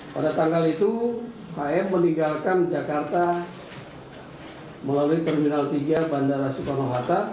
pada tanggal itu hr meninggalkan jakarta melalui terminal tiga bandara soekarno hatta